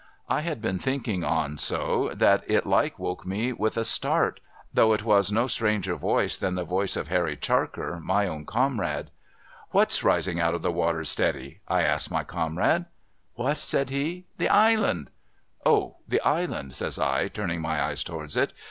I had been thinking on so, that it like woke me with a start, though it was no stranger voice than the voice of Harry Charker, my own comrade. ' AVhat's rising out of the water, steady ?' I asked my comrade. ' What ?' says he. ' The Island.' ' O ! The Island !' says I, turning my eyes towards it.